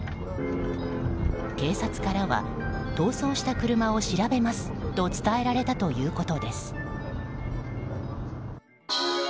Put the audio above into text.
警察からは逃走した車を調べますと伝えられたということです。